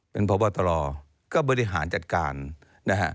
เป็นพบตรก็บริหารจัดการนะฮะ